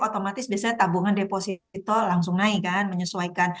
otomatis biasanya tabungan deposito langsung naik kan menyesuaikan